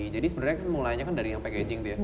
jadi sebenarnya mulainya kan dari yang packaging dia